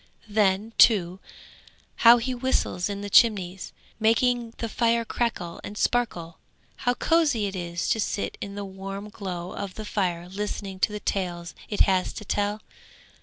Then, too, how he whistles in the chimneys, making the fire crackle and sparkle. How cosy it is to sit in the warm glow of the fire listening to the tales it has to tell!